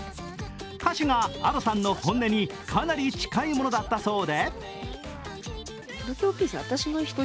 歌詞がＡｄｏさんの本音にかなり近いものだったそうで。